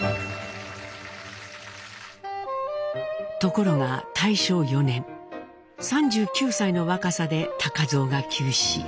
ところが大正４年３９歳の若さで蔵が急死。